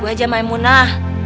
bu hajar maimunah